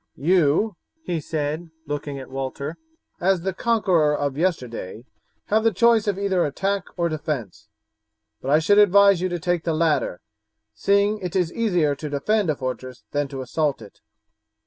You," he said, looking at Walter, "as the conqueror of yesterday, have the choice of either the attack or defence; but I should advise you to take the latter, seeing it is easier to defend a fortress than to assault it.